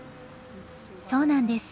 そうなんです。